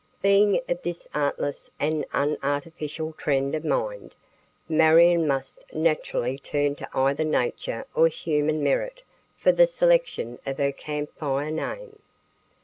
Being of this artless and unartificial trend of mind, Marion must naturally turn to either nature or human merit for the selection of her Camp Fire name.